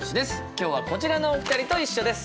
今日はこちらのお二人と一緒です。